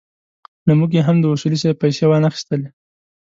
له موږ یې هم د اصولي صیب پېسې وانخيستلې.